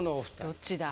どっちだ？